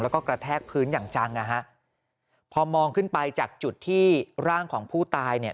แล้วก็กระแทกพื้นอย่างจังนะฮะพอมองขึ้นไปจากจุดที่ร่างของผู้ตายเนี่ย